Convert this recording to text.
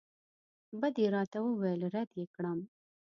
بد یې راته وویل رد یې کړم.